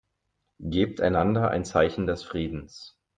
Gebt einander ein Zeichen des Friedens.